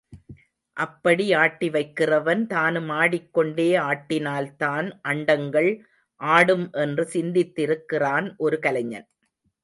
அப்படி ஆட்டி வைக்கிறவன் தானும் ஆடிக் கொண்டே ஆட்டினால்தான் அண்டங்கள் ஆடும் என்று சிந்தித்திருக்கிறான் ஒரு கலைஞன்.